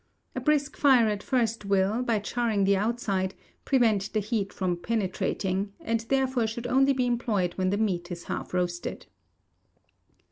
A brisk fire at first will, by charring the outside, prevent the heat from penetrating, and therefore should only be employed when the meat is half roasted.